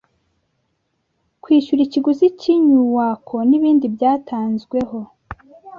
kwishyurwa ikiguzi cy’inyuako n’ibindi byatanzweho